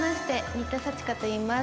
新田さちかといいます。